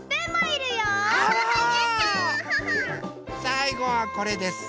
さいごはこれです。